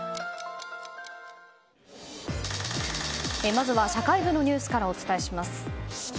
まずは社会部のニュースからお伝えします。